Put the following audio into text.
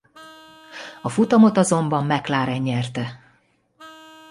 A futamot azonban McLaren nyerte.